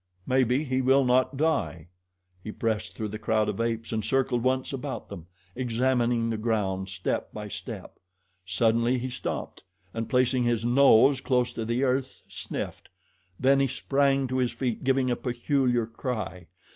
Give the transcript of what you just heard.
"Maybe he will not die." He pressed through the crowd of apes and circled once about them, examining the ground step by step. Suddenly he stopped and placing his nose close to the earth sniffed. Then he sprang to his feet, giving a peculiar cry.